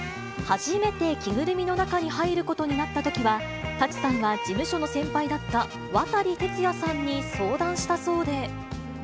初めて着ぐるみの中に入ることになったときは、舘さんは事務所の先輩だった渡哲也さんに相談したそうで。